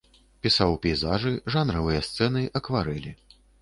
Пісаў пейзажы, жанравыя сцэны, акварэлі.